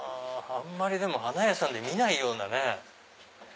あんまり花屋さんで見ないようなね。